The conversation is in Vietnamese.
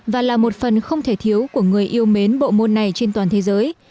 và là một phần không thể thiếu của người yêu mến bộ môn này trên toàn thế giới